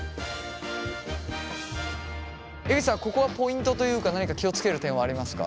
ここはポイントというか何か気を付ける点はありますか？